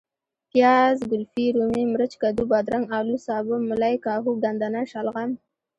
پیاز ،ګلفي ،رومي ،مرچ ،کدو ،بادرنګ ،الو ،سابه ،ملۍ ،کاهو ،ګندنه ،شلغم